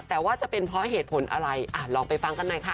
แต่ว่าจะเป็นเพราะเหตุผลอะไรลองไปฟังกันหน่อยค่ะ